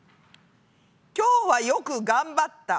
「今日はよくがんばった。